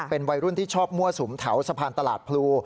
เป็นวัยรุ่นที่ชอบมั่วสุมแถวสะพานตลาดพลู